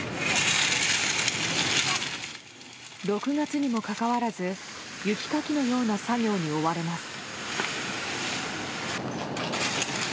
６月にもかかわらず雪かきのような作業に追われます。